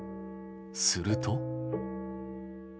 すると。